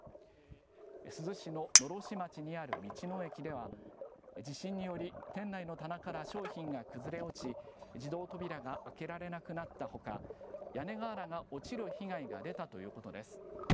珠洲市の狼煙町にある道の駅では、地震により、店内の棚から商品が崩れ落ち、自動扉が開けられなくなったほか、屋根瓦が落ちる被害が出たということです。